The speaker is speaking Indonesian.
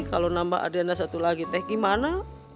kalo nambah adriana satu lagi teh gimana